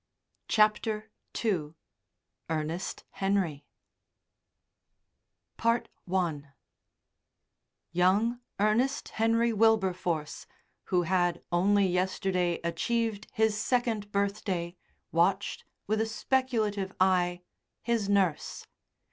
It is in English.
CHAPTER II ERNEST HENRY I Young Ernest Henry Wilberforce, who had only yesterday achieved his second birthday, watched, with a speculative eye, his nurse.